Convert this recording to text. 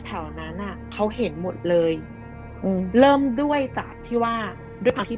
แถวนั้นอ่ะเขาเห็นหมดเลยอืมเริ่มด้วยจากที่ว่าด้วยความที่